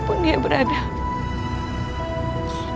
apa yang kalian lakukan di sini